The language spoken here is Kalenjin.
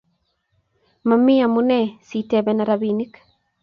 Mami amune si itepena rapinik